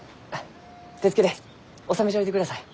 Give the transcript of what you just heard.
手付けで納めちょいてください。